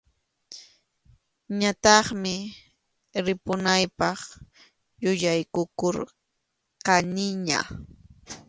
Ñataqmi ripunaypaq yuyaykukurqaniña.